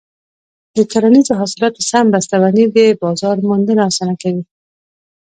د کرنیزو حاصلاتو سم بسته بندي د بازار موندنه اسانه کوي.